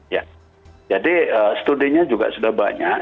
ya jadi studinya juga sudah banyak